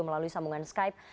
melalui sambungan skype